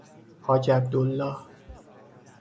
حاج عبدالله